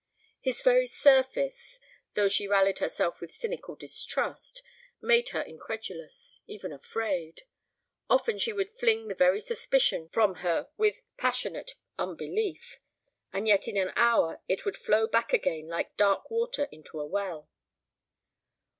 His very surface, though she rallied herself with cynical distrust, made her incredulous, even afraid. Often she would fling the very suspicion from her with passionate unbelief. And yet in an hour it would flow back again like dark water into a well.